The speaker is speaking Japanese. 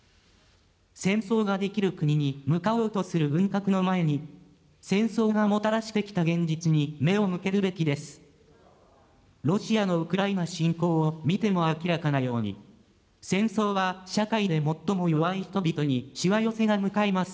戦争ができる国に向かおうとする軍拡の前に、戦争がもたらしてきた現実に目を向けるべきです。